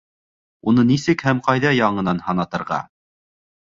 Уны нисек һәм ҡайҙа яңынан һанатырға?